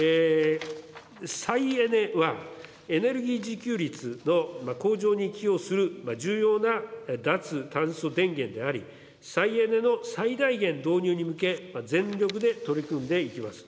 再エネはエネルギー自給率の向上に寄与する脱炭素電源であり、再エネの最大限導入に向け全力で取り組んでいきます。